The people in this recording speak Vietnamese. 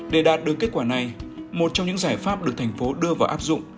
để đạt được kết quả này một trong những giải pháp được thành phố đưa vào áp dụng